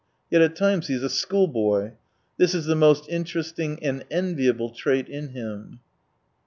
Yet at times he is a schoolboy. This is the most interesting and enviable trait in him.